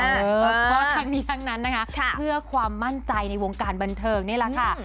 เพราะทั้งนี้ทั้งนั้นนะคะเพื่อความมั่นใจในวงการบันเทิงนี่แหละค่ะ